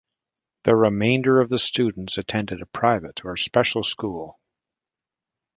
The remainder of the students attend a private or special school.